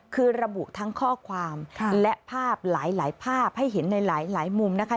คือระบุทั้งข้อความและภาพหลายภาพให้เห็นในหลายมุมนะคะ